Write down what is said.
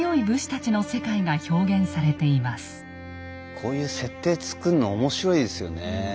こういう設定作るの面白いですよねえ。